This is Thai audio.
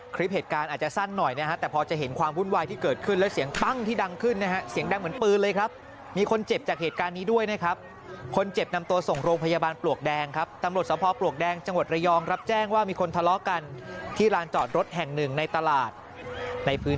คลิปเหตุการณ์อาจจะสั้นหน่อยนะฮะแต่พอจะเห็นความวุ่นวายที่เกิดขึ้นแล้วเสียงปั้งที่ดังขึ้นนะฮะเสียงดังเหมือนปืนเลยครับมีคนเจ็บจากเหตุการณ์นี้ด้วยนะครับคนเจ็บนำตัวส่งโรงพยาบาลปลวกแดงครับตำรวจสภปลวกแดงจังหวัดระยองรับแจ้งว่ามีคนทะเลาะกันที่ลานจอดรถแห่งหนึ่งในตลาดในพื้น